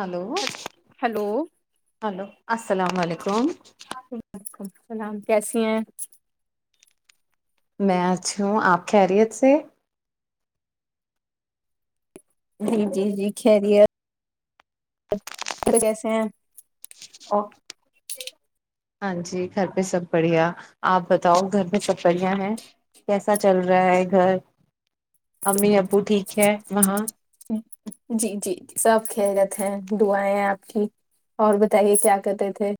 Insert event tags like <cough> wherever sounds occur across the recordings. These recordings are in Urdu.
ہلو ہلو ہلو السلام علیکم وعلیکم اللام کیسی ہیں میں اچھی ہوں آپ خیریت سے ج جی جی کہہریے کیسے ہیں ہاں جی گھر پہ سب بڑھیا آپ بتاؤ گھر پہ سب بڑھیا ہے کیسا چل رہا ہے گھر امی ابو ٹھیک ہے وہاں جی جی سب ک گتے ہیں دعیں آپ کی اور بتائیے کیا کہتے تھے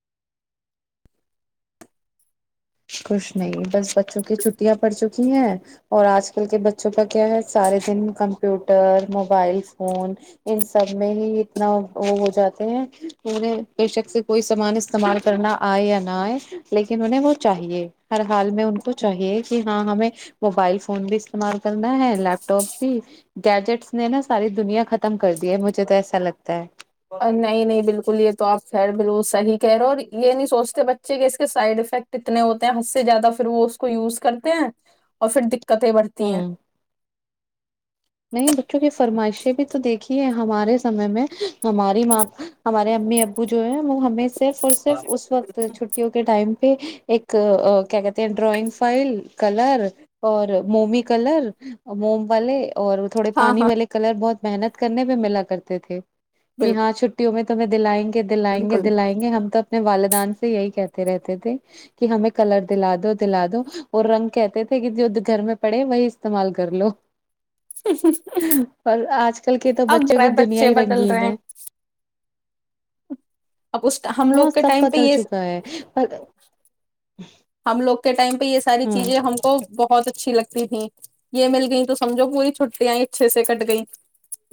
کچھ نہیں بس بچوں کی چھٹیاں پڑ چکی ہیں اور آج کل کے بچوں کا کیا ہے سارے دن کمپیوٹر موبائل فون ان سب میں ہی اتنا وہ ہو جاتے ہیں انہیں بے شک سے کوئی سامان استعمال کرنا آئے یا نہ آئے لیکن انہیں وہ چاہیے ہر حال میں ان کو چاہیے کہ ہاں ہمیں موبائل فون بھی استعمال کرنا ہے لیپ ٹاپ بھی گیجٹس نے نا ساری دنیا خ ختم کر دیاجے تو ایسا لتا ہے ت نہیں نہیں بالکل یہ تو آپ خیر بال صحیح کہہ رہے ہو اور یہ نہیں سوچتے بچے کہ اس کے سائڈ افیکٹ اتنے ہوتے ہیں حد سے زیادہ پھر وہ اس کو یوز کرتے ہیں اور پھر قتیں بڑھتی ہیں ہ نہیں بچوں کی فرمائشیں بھی تو دیکھی ہے ہمارے سمے میں ہماری ماں ہمارے امی ابو جو ہے وہ ہمیں صرف اور صرف اس وقت چھٹیوں کے ٹائم پہ ایک کیا کہتے ہیں ڈرائنگ فائل کلر اور ممی کلر موم والے اور تھوڑے ہاں پانی ہاں والے کلر بہت محنت کرنے پہ ملا کرتے تھے کہ ہاں بالکل چھٹیوں میں تو میں دلائ گے دلائیں گے بالکل دلائیں گے ہم تو اپنے والدان سے یہی کہتے رہتے تھے کہ ہمیں کلر دلا دو دلا دو اور رنگ کہتے تھے کہ جو گھر میں پڑے وہی استعمال کر لو اور آج کل کے تو اب بچوں کی دنیا بچے ہی بدل رنگین رہے ہیں ہے اب اس ہم لوگ ہاں کے سب ٹائم پہ بدل یہ چکا ہے پر ہم لوگ کے ٹائم یہ ساری ہاں چیزیں ہم کو بہت اچھی لگتی تھیں یہ مل گئییں تو سمجھو پوری چھٹیاں اچھے سے کٹ گئیں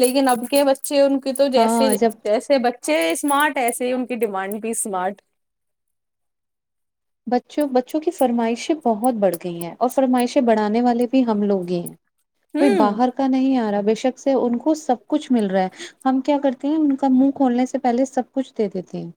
لیکن اب کے بچے ان تو جیسے ہاں جب جیسے بچے چ اسمارٹ ایسے ہی ان کی ڈیمانڈ بھی اسمارٹ بچوں بچوں کی فرمائشیں بہت بڑھ گئی ہیں اور فرمائشیں بڑھانے والے بھی ہم لوگ ہی ہیں کوئی ہوں باہر کا نہیں آ رہا شک سے ان کو سب کچھ مل رہا ہے ہم کیا کرتے ہیں ان کا منہ کھولنے سے پہلے سب کچھ دے دیتے ہیں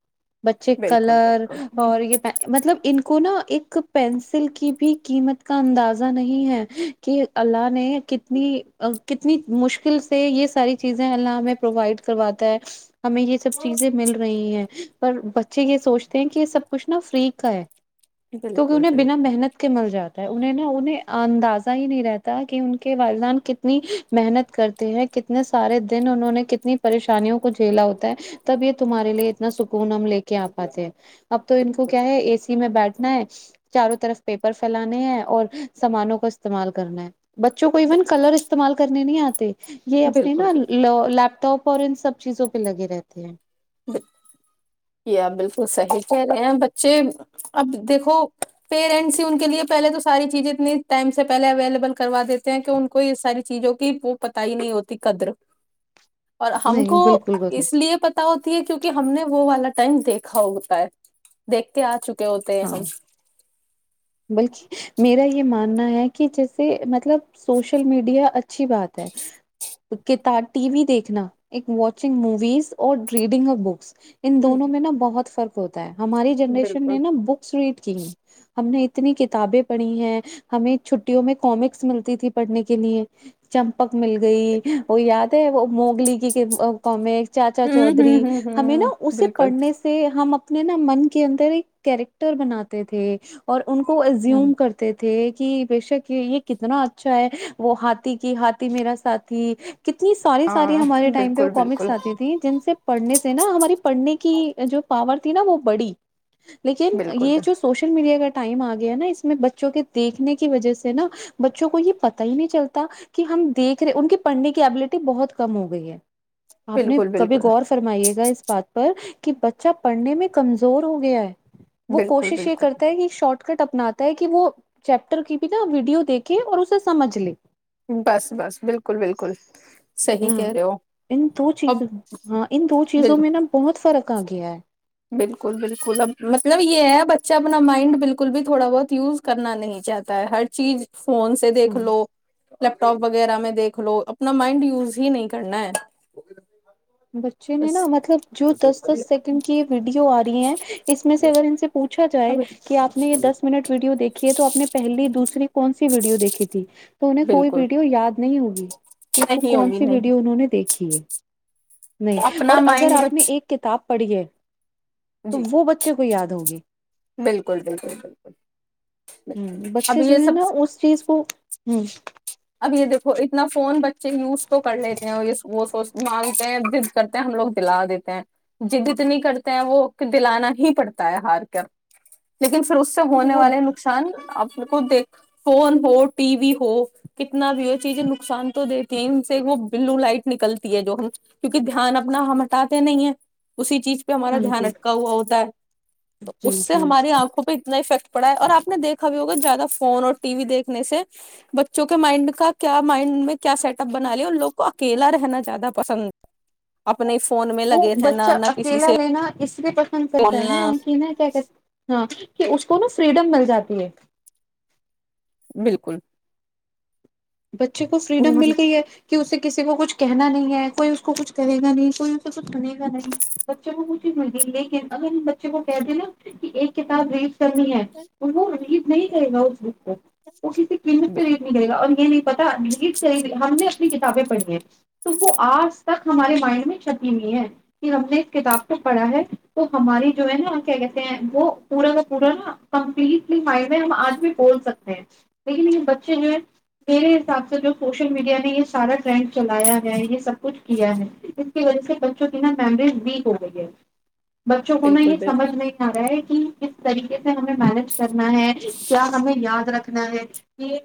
بچے بالکل کلر بالکل اور یہ پ مطلب ان کو نا ایک پینسل کی بھی قیمت کا اندازہ نہیں ہے کہ اللہ نے کتنی ا کتنی مشکل سے یہ ساری چیزیں اللہ میں پرووائڈ کرواتا ہے ہمیں یہ سب چیزیں مل رہی ہیں پر بچے یہ سوچتے ہیں کہ یہ سب کچھ نا فری کا <unintelligible> کیکہ بالکل انہیں بالکل بنا محنت کے مل جاتے انہیں نا انہیں اندازہ ہی نہیں رہتا کہ ان کے والدان کتنی محنت کرتے ہیں کتنے سارے دن انہوں نے کتنی پریشانیوں کو جھیلا ہوتا ہے تب یہ تمہارے لیے اتنا سکون ہم لے کیا آ پاتے ہیں اب تو ان کو بالکل ا سی میں بیٹھنا ہے چاروں طرف پیپر پھیلانے ہے اور سامانوں کو استعمال کرنا ہے بچوں کو ایون کلر استعمال کر کرنے نہیں آتے یہ بالکل اپنے نا بالکل ل لیپ ٹاپ اور سب چیزوں پہ لگے رہتے ہیں ہ <unintelligible> پ بالکل صحیح کہہ رہے ہیں بچے اب دیکھو پیرنٹس ہی ان کے لیے پہلے تو ساری چیزیں اتنی ٹائم سے پہلے اویلیبل کروا دیتے ہیں کہ ان کو یہ ساری چیزوں کی وہ پت ہی نہیں ہوتی قدر اور ہم نہیں کو بالکل گو، اس لیے پتا ہوتی ہے کیونکہ ہم نے وہ والا دیکھا ہوتا ہے دیکھتے آ چکے ہوتے ہیں ہاں ہم بلکہ میرا یہ ماننا ہے کہ جیسے مطلب سوشل میڈیا اچھا اچھی بات ہے کتا ٹی وی دیکھنا ایک واچنگ موویز اور ریڈنگ آف بکس ان ہ دونوں میں نا بہت فرق ہوتا ہے ہماری جنریشن بالکل نے نا بکس ریڈ کی ہے ہم نے اتنی کتابیں پڑھی ہیں ہمیں چھٹیوں میں کامکس ملتی تھی پڑھنے کے لیے چمپک مل گئی وہ یاد ہے وہ موگلی کی کامکس چاچا ہوں ہوں چودھری ہوں ہمیں ہوں نا اسے بالکل پڑھنے سے ہم اپنے نا من کے اندر ایک کیریکٹر بناتے تھے اور ان کو ہ ازوم کرتے تھے کہ کہ بے شک یہ یہ کتنا اچھا ہے وہ ہاتھی کی ہاتھی میرا ساتھی کتنی ساری ساری ہاں ہمارے ٹائم پہ وہ بالکل کامکس بالکل آتی تھیں جن سے پڑھنے سے نا ہماری پڑھنے کی جو پاور تھی نا وہ بڑی لیکن بالکل یہ جو سوشل میڈیا کا ٹائم آ گیا نا اس میں بچوں کے دیکھنے کی وجہ سے نا بچوں کو یہ پتا ہی نہیں چلتا کہ ہم دیکھ رہے ان کے پڑھنے کی ابلٹی بہت کم ہو گئی ہے آپ بالکل نے کبھی بالکل غور فرمائیے گا اس بات پر کہ بچہ پڑھنے میں کمزور ہو گیا ہے وہ بالکل کوشش یہ بالکل کرتا ہے کہ شارٹ کٹ اپنااتا ہے کہ وہ چیپٹر کی بھی نا ویڈیو دیکھے اور اسے سمجھ لے بس بس بالکل بالکل صی ہاں کہہ رہے ہو ان دو اب چیزوں بالک کہ گیا ہے بالکل بالکل اب مطلب یہ ہے بچہ اپنا مائنڈ بالکل بھی تھوڑا بہت یوز کرنا نہیں چاہتا ہے ہر چیز فون سے دیکھ ہ لو لیپ ٹاپ وغیرہ میں دیکھ لو اپنا مائنڈ یوز ہی نہیں کرنا ہے بچے نے بس نا مطلب جو دس دس سیکنڈ کی یہ ویڈیو آ رہی ہے اس میں سے اگر ان سے پوچھا جائے اب کہ آپ نے یہ دس منٹ ویڈیو دیکھی ہے تو آپ نے پہلی دوسری کون سی ویڈیو دیکھی تھی تو انہیں کوئی بالکل ویڈیو یاد نہیں ہوگی کہ وہ نہیں کون ہوگی سی ویڈیو نہیں انہوں نے دیکھی ہے نہیں اپنا اور اگر مائنڈ آپ نے بچ ایک کتاب پڑ گے تو جی وہ بچے کو یاد دو گے بالکل بالکل بالکل ہ اب بچے جو یہ ہے نا سب اس چیز کو ہ اب یہ دیکو اتنا فون بچ اچ یوز تو کر لیتے ہیں وہ سو مانگتے ہیں جد کرتے ہیں ہم لوگ دلا دیتے ہیں جد اتنی کرتے ہیں وہ دلانا ہی پڑتا ہے ہار کر لیکن پھر اس سے ہونے وہ والے نقصان اب بالکل دیکھ فون ہو ٹی وی ہو کتنا بھی وہ چیزیں نقصان تو دیتی ہیں ان سے وہ بلو لائٹ نکلتی ہے جو ہم کیونکہ دھیان اپنا ہم ہٹاتے نہیں ہیں اسی چیز پہ ہمارا ہاں دھیان جی اٹکا ہوا ہوتا ہے تو جی اس سے جی ہماری آنکھوں پہ اتنا افیکٹ پڑھا اور آپ نے دیکھا بھی ہوگا زیادہ فون اور ٹی وی دیکھنے سے بچ چونکہ مائنڈ کا کیا مائنڈ میں کیا سیٹ اپ بنا لے ان لوگ کو اکیلا رہنا زیادہ پسند ہے وہ بچہ اکیلا لینا اس لیے پسند کرتا ہے بولنا نا کہ نا کیا کہتے ہاں کہ اس کو نا فریڈم مل جاتی ہے بالکل بچے کو فریڈم مل بالکل گئی ہے کہ اس کسی کو کچھ کہنا نہیں ہے کوئی اس کو کچھ کرے گا نہیں کوئی اس کو کچھ سنے گا نہیں بچے کو کو چیز مل لیکن اگر بچے کو کہ د نا کہ ایک کتاب ری کرنی ہے وہ ریڈ نہیں کرے گا اس وقت پ وہ کسی قیمت پ ریڈ نہیں کرے گا اور یہ لییڈ ر کر ہم نے اپنی کتابیں پڑھی ہے تو وہ آج تک ہمارے مائنڈ میں چپ ہوئی ہے کہ ہم نے اس کتاب کو پڑھا ہے تو ہماری جو ہے نا کیا کہتے ہیں وہ پورا کا پورا نا کمپلیٹلی مائنڈ میں ہم آج بھی بول سکتے ہیں لیکن یہ بچے جو ہے میرے حساب سے جو سوشل میڈیا نے یہ سارا ٹرینڈ چلایا ہے یہ سب کچھ کیا ہے اس کی وجہ سے بچوں کی نا ممریز ویک ہو گئی ہے بچوں کو نا بالکل یہ سمجھ نہیں آ رہا ہے کہ کس طریقے سے ہمیں مینج کرنا ہے کیا ہمیں یاد رکھنا ہے یہ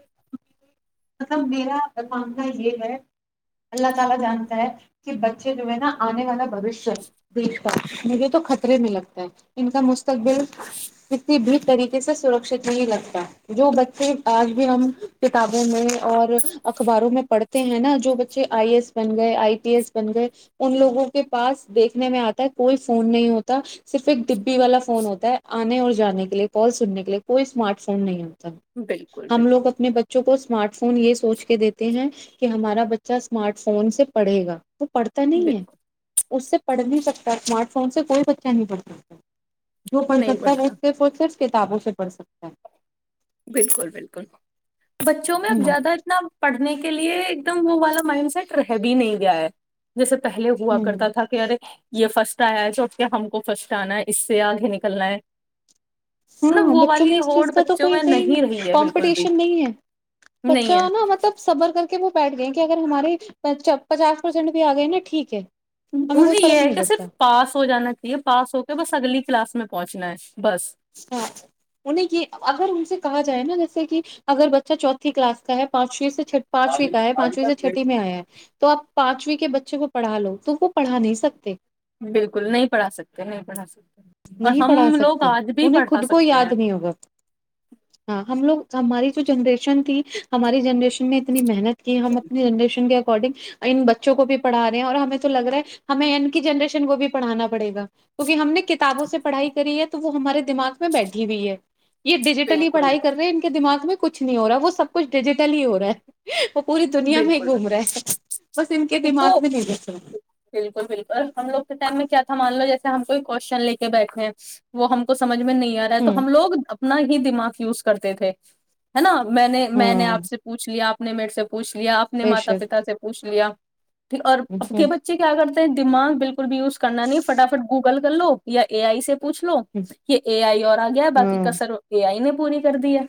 <inaudible> میں اور اخباروں میں پڑھتے ہیں نا جو بچے آئی ای ایس بن گئے آئی ٹی ایس بن گئے ان لوگوں کے پاس دیکھنے میں آتا ہے کوئی فون نہیں ہوتا صرف ایک ڈبی والا فون ہوتا ہے آنے اور جانے کے لیے کال سننے کے لیے کوئی اسمارٹ فون نہیں ہوتا بالکل ہم لوگ اپنے بچ کو اسمارٹ فون یہ سوچ کے دیتے ہیں کہ ہمارا بچہ اسمارٹ فون سے پڑھے گا وہ پڑھتا نہیں ہے بالکل اس سے پڑھ نہیں سکتا اسمارٹ فون سے کوئی بچہ نہیں پڑھ سکتا جو پڑ نہیں سکتا ہے پڑھتا وہ سے کتابوں سے پڑھ سکتا ہے بالکل بالکل بچوں میں اب زیادہ اتنا پڑھ کے لیے ایک دم وہ والا مائنڈ سیٹ رہ بھی نہیں گیا ہے جیسے پہلے ہوا ہ کرتا تھا کہ یارے یہ فرسٹ چ کے ہم کو فرسٹ آنا ہے اس سے آگے نکلنا ہے مطلب ہاں وہ بچوں والی میں اس ہوڑ چیز کا تو بچوں کوئیی میں نہیں رہی ہے بالکل بھی کمپٹیشن نہیں ہے نہیں بچہ ہے نا مطلب صبر کا کے وہ بیٹھ گئے کہ اگر ہمارے پچاس پرسینٹ بھی آ گئے نا ٹھیک ہے ہمیں کوئی انہیں یہ فرق ہے نہیں کہ پڑتا صرف پاس ہو جانا چاہیے پاس ہو کے بس اگلی کلاس میں پہنچنا ہے بس ہاں انہیں یہ اگر ان سے کہا جائے نا جیسے کہ اگر بچہ چوتھی کلاس کا ہے پانچویں سے پانچویں کا ہے پانچویں سے چھٹٹی میں آیا ہے تو آپ پانچویں کے بچے کو پڑھا لو تو وہ پڑا نہیں سکتے بالکل نہیں پڑھا سکتے نہیں پڑھا سکتے اور نہیں پڑھا ہم لوگ سکتے آج بھی انہیں پڑھا خود کو سکتے یاد ہیں نہیں ہوگا ہاں ہم لوگ ہماری جو جنریشن تھی ہماری جنریشن میں اتنی محنت کی ہم اپنی جنریشن کے اگر اارڈنگ ان بچوں کو بھی پڑھا رہے ہیں اور ہمیں تو لگ رہا ہے ہمیں انڈ کی جنریشن کو بھی پڑھانا پڑے گا کیہ ہم نے کت کتابوں سے پڑھائی کری ہے تو وہ ہمارے دماغ میں بیٹھی ہوئی ہے یہ ڈیجیٹلی بالکل پڑھائی کرے ان کے دماغ میں کچھ نہیں ہو رہا ہے وہ سب کچھ ڈیجیٹل ہی ہو رہا ہے وہ پوری دنیا میں ہی بالکل بکل گھوم رہا ہے بس ان کے ایک تو دماغ میں نہیں گھس رہا بالکل بالکل ہم لوگ کے ٹائم میں کیا تھا مان لو جیسے ہم کوئی کوشنے کے بیٹھے ہیں وہ ہم کو سمجھ میں نہیں آ رہا ہے تو ہوں ہم لوگب اپنا ہی دماغ یوز کرتے تھے نا میں نے میں نے ہاں آپ سے پوچھ لیا آپ نہیں مٹ سے پوچھ لیا اپنے بے ماتا شک پتا سے پوچھ لیا اور ہ ا ہ کے بچے کیا کرتے دماغ بالکل بھی یوز کرنا نہیں فٹافٹ گوگل کر لو یا اے آئی سے پوھ لو یہ اے آئی اور آ گیا باقی ہاں کسر اے آئی نے پوری کر دی ہے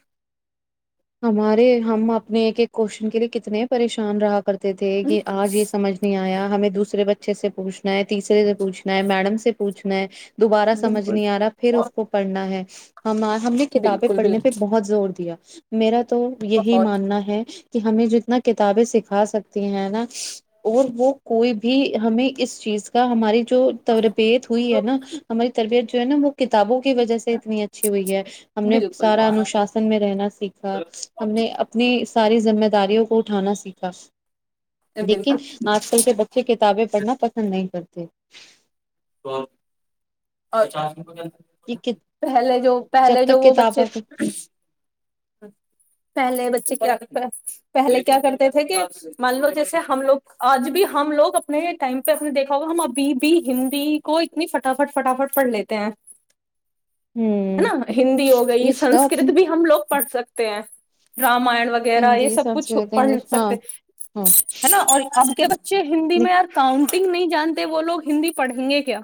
ہمارے ہم اپنے ایک ایک کوشچن کے لیے کتنے پریشان رہا کرتے تھے کہ آج یہ سمجھ نہیں آیا ہمیں دوسرے بچے سے پوچھنا ہے تیسرے سے پوچھنا ہے میڈم سے پوچنا ہے دوبارہ سمجھ بالکل نہیں آ رہا پھر اس کو پڑھنا ہے جچ ہم ہم نے کتابیں بالکل پڑھنے بالکل پہ بہت زور دیا میرا تو یہی بہت ماننا ہے کہ ہمیں جتنا کتابیں سکھا سکتی ہیں نا اور وہ کوئی بھی ہمیں اس چیز کا ہماری جو ت ربیت ہوئی ہے نا ہماریے تریت جو ہے نا وہ کتابوں کی وجہ سے اتنی اچھی ہوئی ہے ہم نے بالکل سارا انوشاسن میں رہنا سیکھا ہم نے اپنی ساری ذمہ داریوں کو اٹھانا سیکھا لیکن بالکل آج کل کے بچے کتابیں پڑھنا پسند نہیں کرتے ٹھ <inaudible> اور چ یہ پہلے جو جب پہلے جو تک وہ کتابیں بچے پہلے بچے پہلے کیا کرتے تھے کہ مان لو جیسے ہم لوگ آج بھی ہم لوگ اپنے ٹائم پہ نے دیکھا ہوگا ہم ابھی بھی ہندی کو اتنی فٹافٹ فٹافٹ پڑھ لیتے ہیں ہے ہوں نا ہندی ہو گئی یہ تو سنسکرت اپنی بھی ہم لوگ پڑھ سکتے ہیں رامان وغیرہ یہ ہندی سب کچھ سنسکرت پڑھ انگلش ہاں سکتے ہاں ہے نا اور اب کے بچے ہندی میں یار کاؤنٹر نہیں جانتے وہ لوگ ہندی پڑھیں گے کیا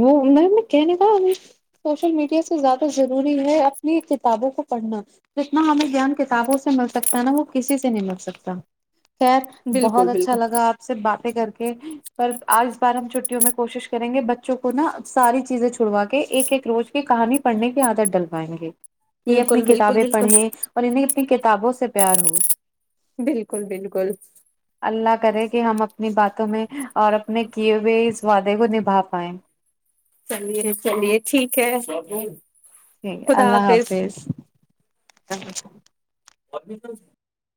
وہ میم کہنے تھا ابھی سوشل میڈیا سے زیادہ ضروری ہے اپنی کتابوں کو پڑھنا جتنا ہمیں گان کتابوں سے مل سکتا ہے نا وہ کسی سے نہیں مل سکتا خیر بہت بالکل اچھا بالکل لگا آپ سے بات کر کے پر آج بار ہم چھٹیوں میں کوشش کریں گے بچے بچوں کو نہا ساری چیزیں چھڑوا کے ایک ایک روز کی کہانی پڑھنے کی عادت ڈلوائیںے یہ اپنی بالکل بالکل کتابیں بالکل پڑھیں اور انہیں اپنی کتابوں سے پیار ہو بالکل بالکل اللہ کرے کہ ہم اپنی باتوں میں اور اپنے کیے ہوئے اس وعدے کو نبا فائم چلیے چلیے ٹھیک ہے ٹھیک ہے اللہ حافظ <inaudible>